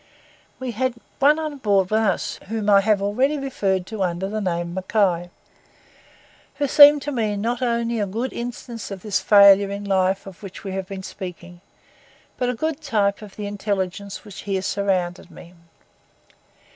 We had one on board with us, whom I have already referred to under the name Mackay, who seemed to me not only a good instance of this failure in life of which we have been speaking, but a good type of the intelligence which here surrounded me.